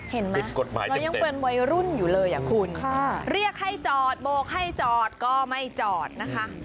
เห็นไหมเรายังเป็นวัยรุ่นอยู่เลยอ่ะคุณเรียกให้จอดโบกให้จอดก็ไม่จอดนะคะ